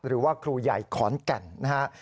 หรือว่าครูใหญ่ขอนแก่นนะครับ